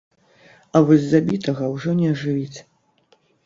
А вось забітага ўжо не ажывіць.